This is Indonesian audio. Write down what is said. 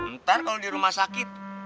ntar kalau di rumah sakit